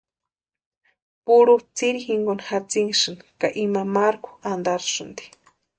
Purhu tsiri jinkoni jatsinhasïni ka ima karku antarasïnti.